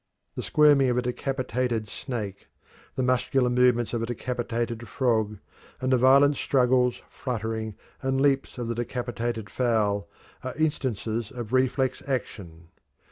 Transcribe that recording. The squirming of a decapitated snake, the muscular movements of a decapitated frog, and the violent struggles, fluttering, and leaps of the decapitated fowl, are instances of reflex action.